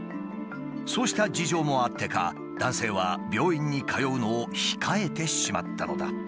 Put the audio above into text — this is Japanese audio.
そうした事情もあってか男性は病院に通うのを控えてしまったのだ。